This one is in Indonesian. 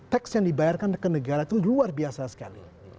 teks yang dibayarkan ke negara itu luar biasa sekali